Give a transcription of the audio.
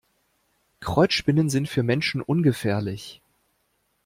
Kreuzspinnen sind für Menschen ungefährlich.